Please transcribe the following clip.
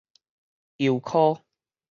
油箍